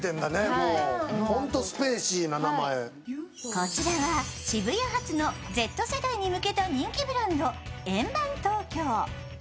こちらは渋谷発のＺ世代に向けた人気ブランド、ＥＮＢＡＮＴＯＫＹＯ。